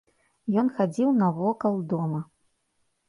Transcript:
Ён хадзіў навокал дома.